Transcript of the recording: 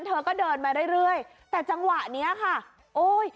เธอก็เดินมาเรื่อยเรื่อยแต่จังหวะเนี้ยค่ะโอ้ย